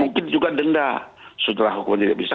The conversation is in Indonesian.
mungkin juga denda setelah hukuman tidak bisa